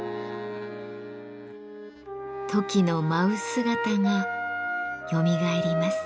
トキの舞う姿がよみがえります。